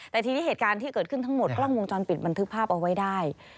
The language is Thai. แต่ทีนี้เหตุการณ์ที่เกิดขึ้นทั้งหมดกล้องวงจรปิดบันทึกภาพเอาไว้ได้